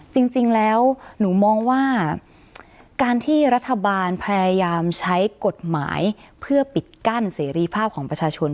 จริงแล้วหนูมองว่าการที่รัฐบาลพยายามใช้กฎหมายเพื่อปิดกั้นเสรีภาพของประชาชน